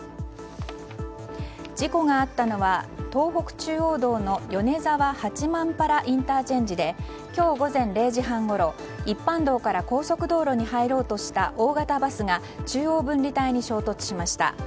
事故があったのは東北中央道の米沢八幡原ＩＣで今日午前０時半ごろ一般道から高速道路に入ろうとした大型バスが中央分離帯に衝突しました。